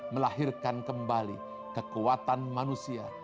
melahirkan kembali kekuatan manusia